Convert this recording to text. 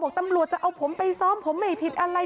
ตำรวจจะเอาผมไปซ้อมผมไม่ผิดอะไร